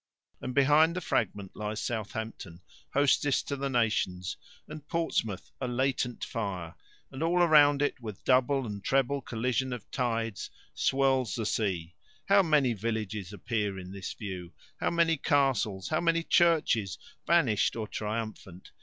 And behind the fragment lies Southampton, hostess to the nations, and Portsmouth, a latent fire, and all around it, with double and treble collision of tides, swirls the sea. How many villages appear in this view! How many castles! How many churches, vanished or triumphant!